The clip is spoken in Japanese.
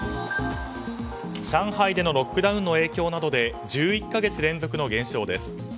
上海でのロックダウンの影響などで１１か月連続の減少です。